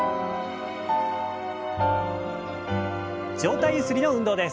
上体ゆすりの運動です。